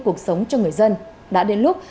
cuộc sống cho người dân đã đến lúc